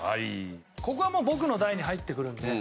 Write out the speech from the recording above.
ここはもう僕の代に入ってくるので。